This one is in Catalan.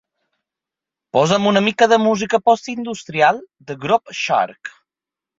Posa'm una mica de música postindustrial de Groove Shark.